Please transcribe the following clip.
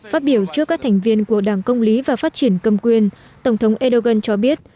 phát biểu trước các thành viên của đảng công lý và phát triển cầm quyền tổng thống erdogan cho biết